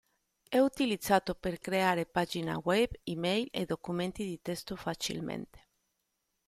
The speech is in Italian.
È utilizzato per creare pagine web, e-mail, e documenti di testo facilmente.